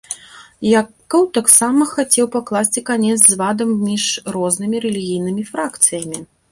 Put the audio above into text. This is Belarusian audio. Якаў таксама хацеў пакласці канец звадам між рознымі рэлігійнымі фракцыямі.